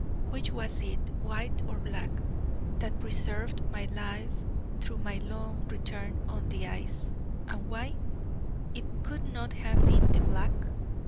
Which was it White or Black that preserved my life through my long return on the ice and why? It could not have been 'the Black'!